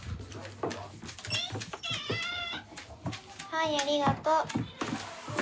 はいありがとう。